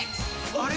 あれ？